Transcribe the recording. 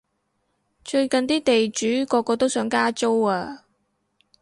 最近啲地主個個都想加租啊